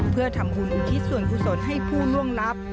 เพื่อทำบุญอุทิศส่วนกุศลให้ผู้ล่วงลับ